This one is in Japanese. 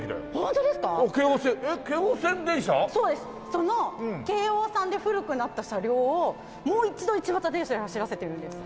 その京王さんで古くなった車両をもう一度一畑電車で走らせてるんです。